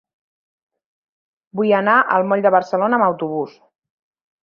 Vull anar al moll de Barcelona amb autobús.